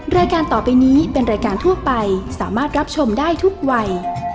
รายการต่อไปนี้เป็นรายการทั่วไปสามารถรับชมได้ทุกวัย